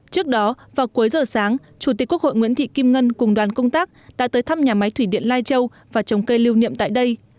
trước đó vào cuối giờ sáng chủ tịch quốc hội nguyễn thị kim ngân cùng đoàn công tác đã tới thăm nhà máy thủy điện lai châu và trồng cây lưu niệm tại đây